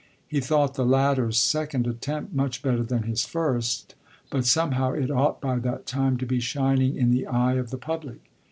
He thought the latter's second attempt much better than his first, but somehow it ought by that time to be shining in the eye of the public.